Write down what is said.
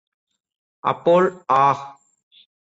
അപ്പോൾ ആഹ്